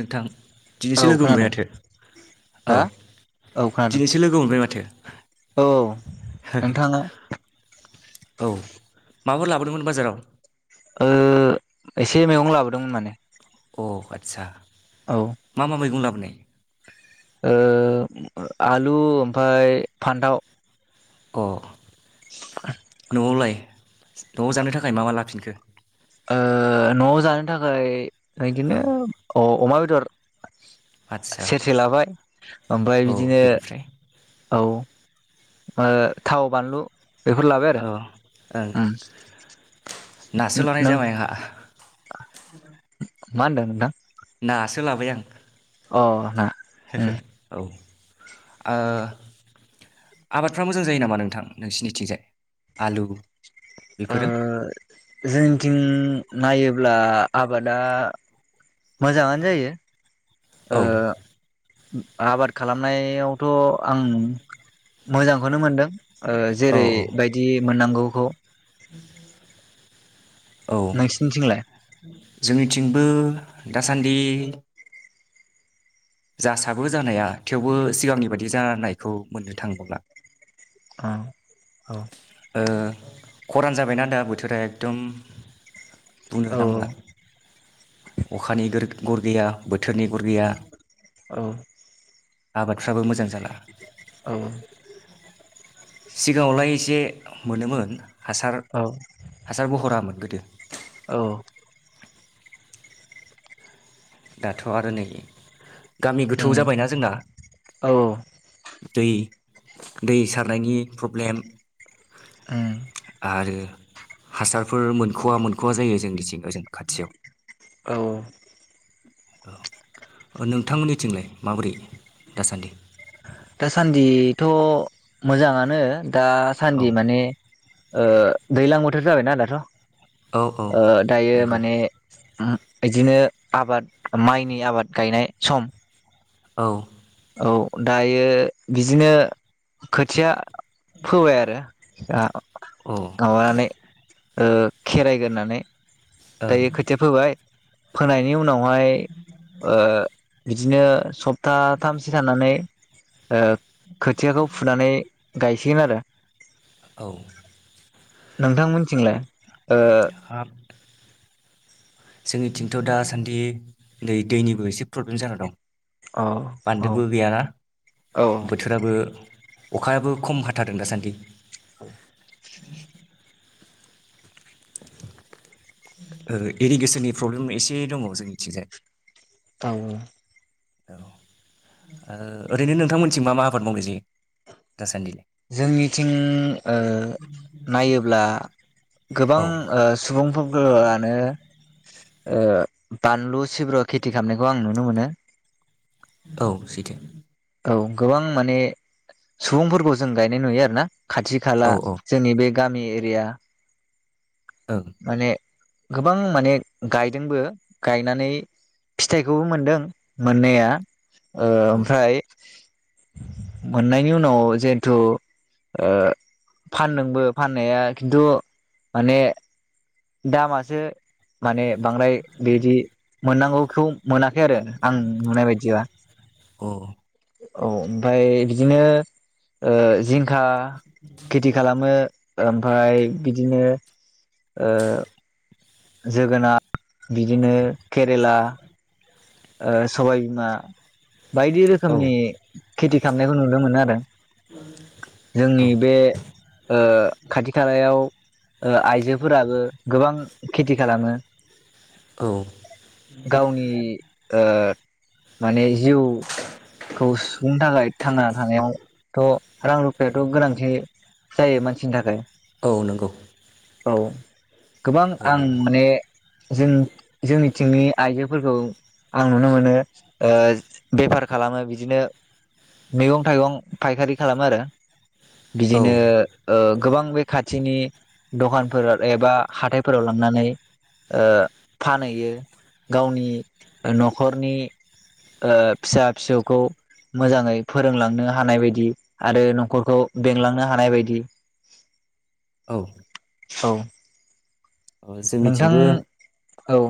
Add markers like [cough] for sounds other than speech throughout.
नोंथां औ दिनैसो लोगो खोनादों मोनबाय माथो औ हा औ खोनादों दिनैसो लोगो मोनबाय माथो औ औ नोंथाङा औ माबाफोर लाबोदोंमोन बाजाराव? ओ एसे मैगं लाबोदोंमोन माने। अ आदसा औ मा मा मैगं लाबो [unintelligible] ओ आलु ओमफाय फान्थाव अ न'आवलाय न'आव जानो थाखाय मा मा लाफिनखो? ओ न'आव जानो थाखाय इदिनो औ अ-अमा बे दर आदसा सेरसे लाबाय ओमफ्राय औ बिदिनो बेनिफ्राय औ ओ थाव बानलु बेफोर लाबाय आरो औ ओं नासो लानाय नों जाबाय आंहा [unintelligible] [inaudible] मा होनदों नोंथां? नासो लाबाय आं अ ना उम [unintelligible] औ ओ आबादफ्रा मोजां जायो नामा नोंथां नोंसिनिथिंजाय आलु ओ बेफोरो जोंथिं नायोब्ला आबादा मोजाङानो जायो औ ओ आबाद खालामनायाव थ' आं मोजांखौनो मोनदों ओ औ जेरै औ बायदि मोननांगौ [unintelligible] औ नोंसिनिथिंलाय जोंनिथिंबो दासान्दि जासाबो जानाया थेवबो सिगांनि बादि जानायखौ मोननो थांबावला औ औ ओ खरान जाबायना दा बोथोरा एकदम बुंनो औ नांला अखानि गोरग गर गैया बोथ थोरनि गरगैया औ आबादफ्राबो मोजां जाला औ सिगाङावलाय एसे मोनोमोन हासार औ हासार बहरा मोन दे औ दाथ आरो नै गामि गोथौ उम जाबायना जोंना औ दै दै सारनायनि प्रब्लेम उम आरो हासारफोर मोनखवा मोनखवा जायो जोंनिथिं ओजों खाथियाव औ औ औ ओ नोंथांमोननिथिंलाय माबोरै दासान्दि दासान्दिथ मोजाङानो। दासान्दि औ माने ओ दैलां बोथोर जाबायना दाथ औ औ ओ दायो नंगौ माने उम बिदिनो आबाद माइनि आबाद गायनाय सम औ औ दायो बिदिनो खोथिया फोबाय आरो औ गावनै ओ खेराइगोरनानै दायो ओं खोथिया फोबाय फोनायनि उनाव माइ ओ बिदिनो सप्ताथामसो थाननानै ओ खोथियाखौ फुनानै गायसिगोन आरो औ नोंथांमोनथिंलाय ओ हाब जोंनिथिंथ दासान्दि दै दैनिबो एसे प्रब्लेम जाना दं। औ औ बान्दोबो गैयाना औ बोथोराबो अखायाबो खम हाथारदों दासान्दि औ इरिगेसननि प्रब्लेम एसे दङ जोंनिथिंजाय औ औ ओ ओरैनो नोंथांमोनथि मा मा आ आबाद मावनाय जायो दासान्दिलाय जोंनिथिं ओ नायोब्ला गोबां औ ओ सुबुंफोरानो ओ बानलु सिब्र खेथि खालामनायखौ आं नुनो मोनो। औ सैथो औ गोबां माने सुबुंफोरखौ जों गायनाय नुयो आरो ना खाथि खाला औ जोंनि बे गामि एरिया ओं माने गोबां माने गायदोंबो गायनानै फिथाइखौबो मोनदों मोननाया ओ औ ओमफ्राय मोननायनि उनाव जिहेथु ओ फानदोंबो फाननाया खिन्थु माने दामासे माने बांद्राय बिदि मोननांगौखौ मोनाखै आरो आं नुनाय बायदिबा औ औ ओमफ्राय बिदिनो ओ जिंखा खेथि खालामो ओमफाय बिदिनो ओ जोगोनार बिदिनो केरेला ओ सबाय बिमा बायदि रोखोमनि औ खेति खालामनायखौ नुनो मोनो आरो औ जोंनि बे ओ खाथि खालायाव ओ आइजोफोराबो गोबां खेथि खालामो औ गावनि ओ माने जिउखौ सुफुंनो थाखाय थांना थानायावथ रां रुफायाथ गोनांथि जायो मानसिनि थाखाय औ नंगौ औ गोबां ओ आं माने जों जोंनिथिंनि आइजोफोरखौ आं नुनो मोनो ओ बेफार खालामो बिदिनो मैगं थाइगं फायखारि खालामो आरो औ बिदिनो ओ गोबां बे खाथिनि दखानफोराव एबा हाथायफोराव लांनानै ओ फानहैयो गावनि नखरनि ओ फिसा फिसौखौ मोजाङै फोरोंलांनो हानाय बायदि आरो नखरखौ बेंलांनो हानाय बायदि ओ औ नोंथां जोंनिथिंबो औ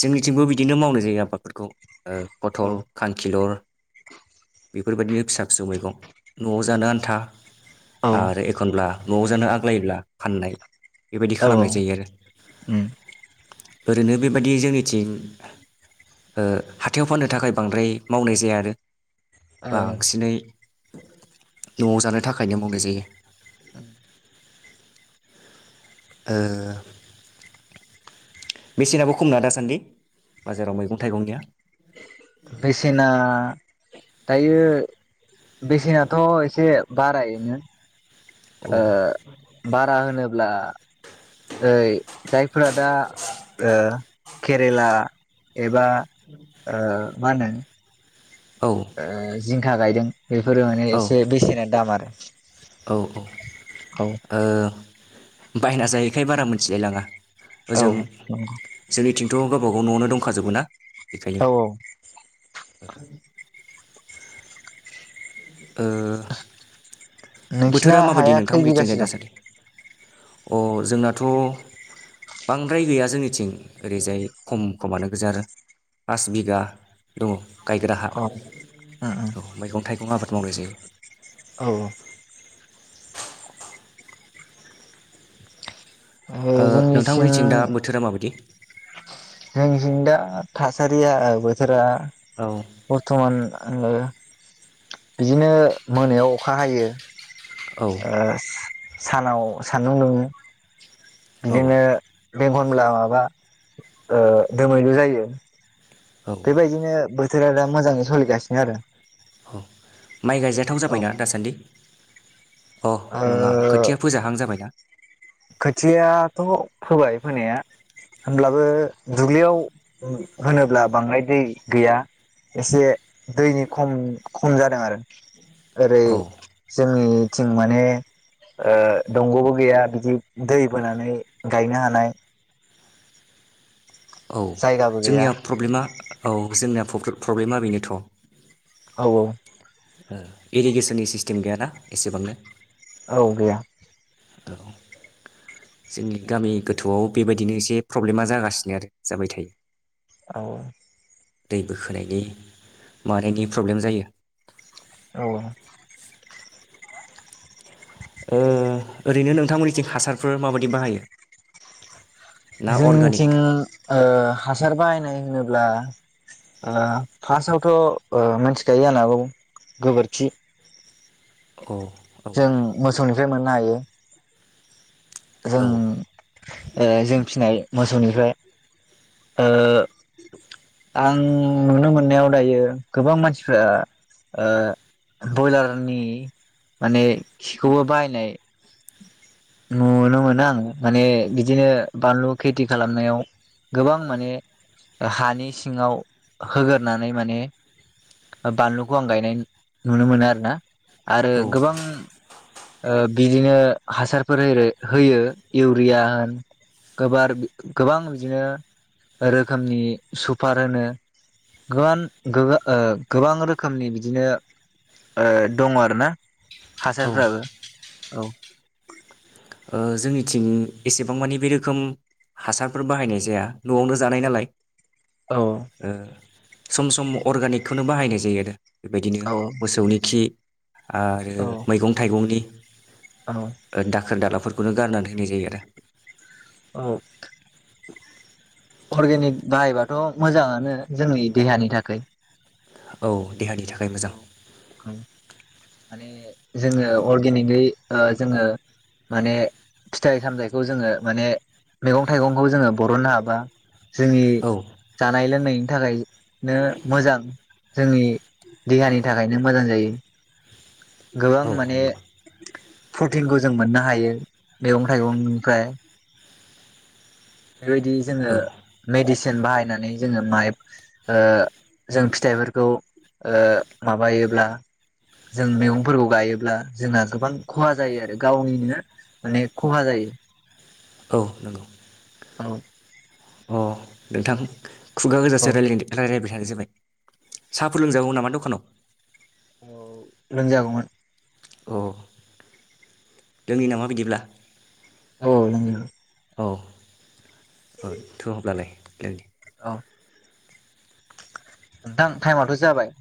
जोंनिथिंबो बिदिनो मावनाय जायो आबादफोरखौ ओ पथल औ खानखिलर बेफोरबायदिनो फिसा फिसौ मैगं नआव जानो आन्था औ आरो एखनब्ला न'आव जानो आग्लायोब्ला फाननाय बेबायदि औ खालामनाय जायो आरो उम ओरैनो बे बादि जोंनिथिं ओ हाथायाव फाननो थाखाय बांद्राय मावनाय जाया आरो ओ बांसिनै न'आव जानो थाखायनो मावनाय जायो। उम ओ बेसेनाबो खमना दासान्दि बाजाराव मैगं-थाइगंनिया बेसेना दायो बेसेनाथ एसे बारायनो औ ओ बारा होनोब्ला ओय जाय फोरा दा ओ केरेला एबा ओ मा होनदों? औ आ जिंखा गायदों बेफोरो माने औ एसे बेसेना दाम आरो। [inaudible] औ औ औ ओ बायना जायैखाय बारा मिथिलाय लाङा। औ ओजों नंगौ जोंनिथिं थ गावबा गाव न'वावनो दंखाजोबो ना बेखायनो औ औ [unintelligible] ओ नोंसिना बोथोरा माबायदि हाया खै नोंथांमोननिथिंलाय बिगासो दं? दासान्दि अ जोंनाथ बांद्राय गैया जोंनिथिं ओरैजाय खम खमानो गोजा आरो। पास बिगा दङ। गायग्रा हा, औ उम उम औ मैगं-थाइगं आबाद खौ मावनाय जायो। औ औ ओ नोंथांमोनिथिं दा बोथोरा माबायदि? जोंनिजों दा थासारिया बोथोरा औ बरथमान आङो बिदिनो मोनायाव अखा हायो। औ ओ सानाव सान्दुं दुङो। औ बिदिनो एखनब्ला माबा ओ दोमैलु जायो। औ बेबायदिनो बोथोरा दा मोजाङै सोलिगासिनो आरो। औ माइ गायजाथाव औ जाबायना दासान्दि? अ, ओ नङा खोथिया फोजाहां जाबाय ना? खोथियाथ' फोबाय फोनाया। होनब्लाबो दुब्लियाव होनोब्ला बांद्राय दै गैया एसे दैनि खम खम जादों आरो। ओरै औ जोंनि थिं माने ओ दंग'बो गैया बिदि दै बोनानै गायनो हानाय औ जायगाबो गैया जोंनिया प्रब्लेमा औ जोंनिया प्रब्लेमा बेनोथ' औ औ इरिगेसननि सिस्टेम गैयाना एसेबांनो। औ गैया। औ जोंनि गामि गोथौआव बेबायदिनो एसे प्रब्लेमा जागासिनो आरो जाबाय थायो। औ दै बोखोनायनि मानायनि प्रब्लेम जायो। औ ओ ओरैनो नोंथांमोननिथिं हासारफोर माबायदि बाहायो? ना अर्गानिक जोंथिं ओ हासार बाहायनाय होनोब्ला ओ फार्स्टआवथ' ओ मिथिखायो जानोागौ गोबोरखि औ जों मोसौनि फ्राय मोननो हायो। जों औ ओ जों फिनाय मोसौनिफ्राय ओ आं नुनो मोननायाव दायो गोबां मानसिफ्रा ओ बयलारनि माने खिखौबो बाहायनाय नुनो मोनो आं माने बिदिनो बानलु खेथि खालामनायाव गोबां माने हानि सिङाव होगोरनानै माने बानलुखौ आं गायनाय नुनो मोनो आरो ना। आरो औ गोबां ओ बिदिनो हासार फोर‌ ओरो-होयो इउरिया होन गोबार-गोबां बिदिनो रोखोमनि सुपार होनो गोबां ओ गोबां रोखोमनि बिदिनो दङ आर ना। औ हासारफ्राबो औ ओ जोंनिथिं एसेबां मानि बे रोखोम हासारफोर बाहायनाय जाया न'आवनो जानाय नालाय। औ ओ सम सम अर्गानिकखौनो बाहायनाय जायो बेबायदिनो मोसौनि खि आरो मैगं थाइगंनि [inaudible] औ खोनदा नखरफोरखौनो गारनानै होनाय जायो आरो औ अर्गेनिक बाहायबाथ' मोजाङानो जोंनि देहानि थाखाय औ देहानि थाखाय मोजां औ माने जोङो अरगेनिकै ओ जोङो माने फिथाइ सामथाइखौ जोङो माने मैगं थाइगंखौ जोङो बरननो हाबा जोंनि औ जानाय लोंनाय थाखायनो मोजां जोंनि देहानि थाखायनो मोजां जायो गोबां औ माने नंगौ प्रटिनखौ जों मोननो हायो मैगं थाइगंनिफ्राय बेबायदि जोङो औ मेदिसिन सिन बाहायनानै जोङो जों माय ओ जों फिथाइफोरखौ ओ माबायोब्ला जों मैगंफोरखौ गायोब्ला जोंना गोबां खहा जायो आरो गावनिनो माने खहा जायो औ नंगौ औ अ नोंथां खुगा औ गोजासे रायलायदो रायलायबाय आरो जाबाय साहाफोर लोंजागौमोन नामा दखानाव औ लोंजागौमोन अ लोंनि नामा बिदिब्ला औ लोंगोन औ थौ होनब्लालाय लोंदिनि अ नोंथां टाइमाथ' जाबाय